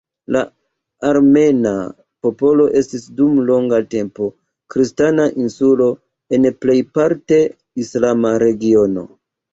La armena popolo estis dum longa tempo, kristana "insulo" en plejparte islama regiono.